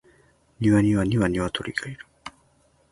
庭には二羽鶏がいる